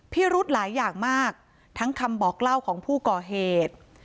รุธหลายอย่างมากทั้งคำบอกเล่าของผู้ก่อเหตุ